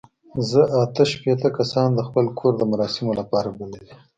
زه اته شپېته کسان د خپل کور د مراسمو لپاره بللي یم.